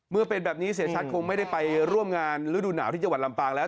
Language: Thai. เมื่อเป็นแบบนี้เสียชัดคงไม่ได้ไปร่วมงานฤดูหนาวที่จังหวัดลำปางแล้ว